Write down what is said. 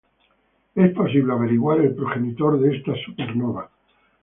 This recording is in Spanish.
Es posible averiguar el progenitor de esta supernova.